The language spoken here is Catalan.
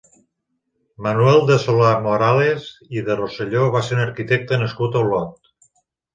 Manuel de Solà-Morales i de Rosselló va ser un arquitecte nascut a Olot.